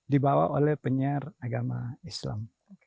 dibawa oleh penyiar agama islam